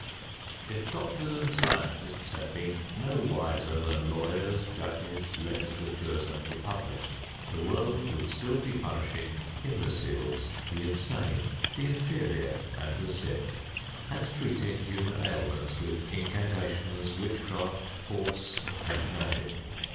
If doctors and scientists had been no wiser than lawyers, judges, legislatures and the public, the world would still be punishing imbeciles, the insane, the inferior and the sick; and treating human ailments with incantations, witchcraft, force and magic.